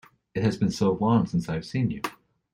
It has been so long since I have seen you!